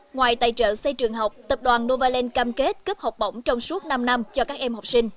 ngoài tài trợ xây trường học tập đoàn novaland cam kết cấp học bổng trong suốt năm năm cho các em học sinh